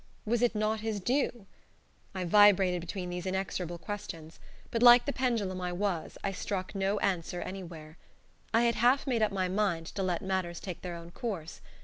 Was it not his due? I vibrated between these inexorable questions, but, like the pendulum I was, I struck no answer anywhere. I had half made up my mind to let matters take their own course.